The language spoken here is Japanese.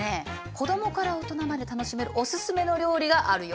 子供から大人まで楽しめるおすすめの料理があるよ。